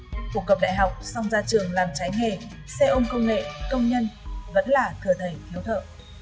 phổ cập đại học xong ra trường làm trái nghề xe ôm công nghệ công nhân vẫn là thừa thầy thiếu thợ